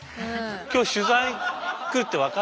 今日取材に来るって分かってた。